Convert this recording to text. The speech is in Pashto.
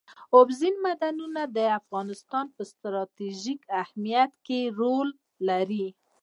اوبزین معدنونه د افغانستان په ستراتیژیک اهمیت کې رول لري.